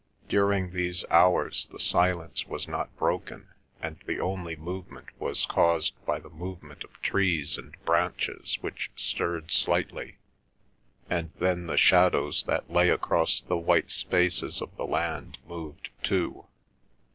During these hours the silence was not broken, and the only movement was caused by the movement of trees and branches which stirred slightly, and then the shadows that lay across the white spaces of the land moved too.